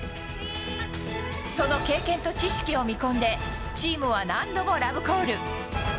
その経験と知識を見込んでチームは何度もラブコール。